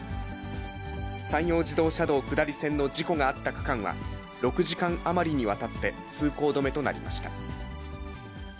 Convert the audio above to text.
山陽自動車道下り線の事故があった区間は、６時間余りにわたって通行止めとなりました。